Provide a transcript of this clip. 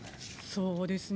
そうですね。